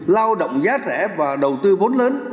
lao động giá rẻ và đầu tư vốn lớn